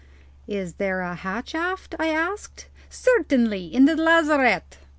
"Is there a hatch aft?" I asked. "Certainly; in the lazarette."